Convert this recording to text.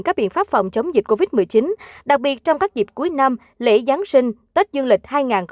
các biện pháp phòng chống dịch covid một mươi chín đặc biệt trong các dịp cuối năm lễ giáng sinh tết dương lịch hai nghìn hai mươi